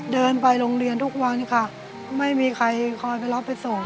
เดินไปโรงเรียนทุกวันค่ะไม่มีใครคอยไปรับไปส่ง